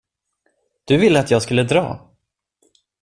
Du ville att jag skulle dra.